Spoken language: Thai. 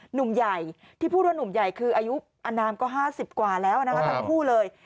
หนุ่มใหญ่ที่พูดว่านุ่มใหญ่คืออายุอนามก็๕๐กว่าแล้วนะคะทั้งคู่เลย